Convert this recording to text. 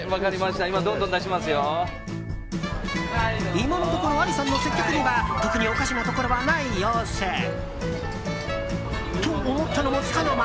今のところアリさんの接客には特におかしなところはない様子。と思ったのも、つかの間。